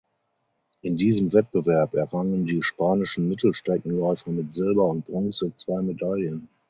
In diesem Wettbewerb errangen die spanischen Mittelstreckenläufer mit Silber und Bronze zwei Medaillen.